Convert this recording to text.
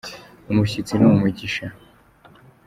Umushyitsi ni umugisha.